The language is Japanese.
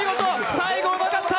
最後、うまかった！